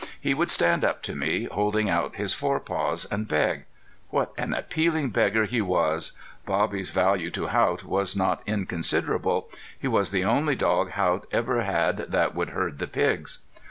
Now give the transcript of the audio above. He would stand up to me, holding out his forepaws, and beg. What an appealing beggar he was! Bobby's value to Haught was not inconsiderable. He was the only dog Haught ever had that would herd the pigs.